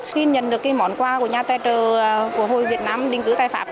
khi nhận được món quà của nhà tài trợ của hội việt nam đình cứu tài pháp